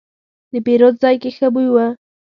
د پیرود ځای کې ښه بوی و.